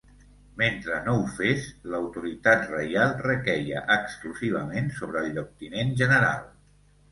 Mentre no ho fes, l’autoritat reial requeia exclusivament sobre el Lloctinent General.